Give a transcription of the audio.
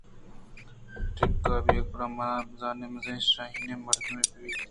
ٹِکّءَ اے گُڑا مزن نام ءُ مزن شانیں مردے بیت